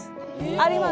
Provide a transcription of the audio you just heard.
あります。